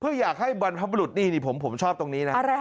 เพื่ออยากให้บรรพบรุษนี่ผมชอบตรงนี้นะ